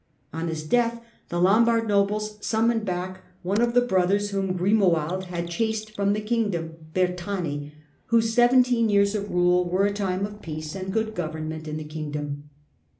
On his death the Lombard nobles sum noned back one of the brothers whom Grimoald had ;hased from the kingdom, Berthani, whose seventeen /ears of rule were a time of peace and good government n the kingdom.